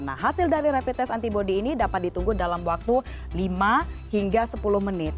nah hasil dari rapid test antibody ini dapat ditunggu dalam waktu lima hingga sepuluh menit